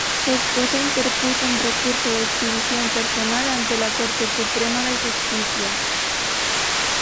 Su esposa interpuso un recurso de exhibición personal ante la Corte Suprema de Justicia.